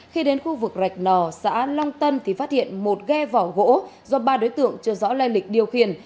khi đến khu vực rạch nò xã long tân thì phát hiện một ghe vỏ gỗ do ba đối tượng chưa rõ lây lịch điều khiển